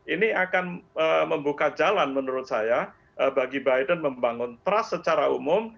ini akan membuka jalan menurut saya bagi biden membangun trust secara umum